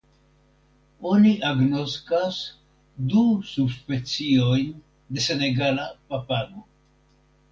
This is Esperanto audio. Oni agnoskas du subspeciojn de senegala papago.